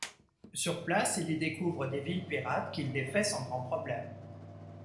Sur place il y découvre des villes pirates qu'il défait sans grand problème.